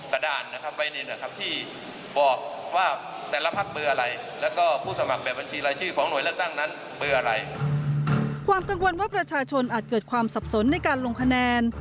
ความกังวลว่าประชาชนอาจเกิดความสับสนในการลงคะแนน